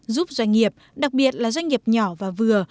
giúp doanh nghiệp đặc biệt là doanh nghiệp nhỏ và vừa